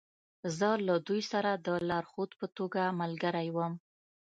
زه له دوی سره د لارښود په توګه ملګری وم